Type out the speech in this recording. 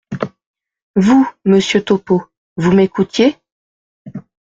Vous, monsieur Topeau, vous m’écoutiez ?